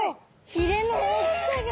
ひれの大きさが。